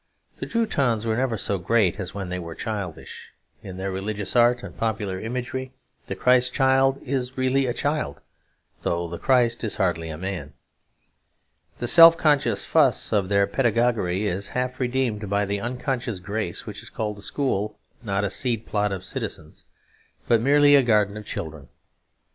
The Teutons were never so great as when they were childish; in their religious art and popular imagery the Christ Child is really a child, though the Christ is hardly a man. The self conscious fuss of their pedagogy is half redeemed by the unconscious grace which called a school not a seed plot of citizens, but merely a garden of children.